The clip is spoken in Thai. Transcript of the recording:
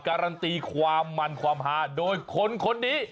การันตีความมันความหาโดยคนคนนี้